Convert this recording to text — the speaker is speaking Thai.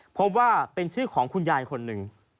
พบว่าเป็นชื่อของคุณยายคนหนึ่ง